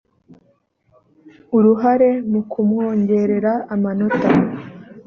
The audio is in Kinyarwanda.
uruhare mu kumwongerera amanota